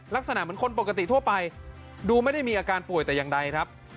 ลักษณะเหมือนคนปกติทั่วไปดูไม่ได้มีอาการป่วยแต่อย่างใดครับ